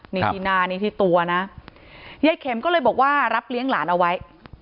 นี่ที่หน้านี่ที่ตัวนะยายเข็มก็เลยบอกว่ารับเลี้ยงหลานเอาไว้